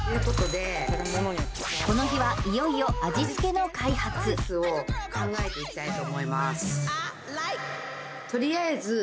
この日はいよいよスパイスを考えていきたいと思います